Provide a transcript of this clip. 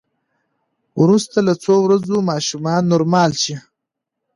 وروسته له څو ورځو ماشومان نورمال شي.